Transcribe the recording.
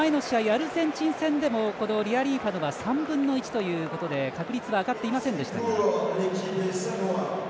アルゼンチン戦でもリアリーファノは３分の１ということで確率は上がっていませんでしたが。